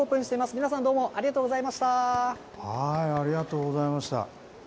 皆さん、どうもありがとうございありがとうございました。